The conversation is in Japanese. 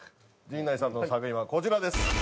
陣内さんの作品はこちらです。